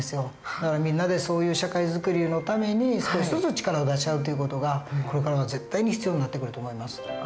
だからみんなでそういう社会作りのために少しずつ力を出し合うという事がこれからは絶対に必要になってくると思います。